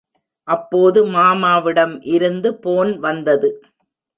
அப்போது மாமாவிடம் இருந்து போன் வந்தது.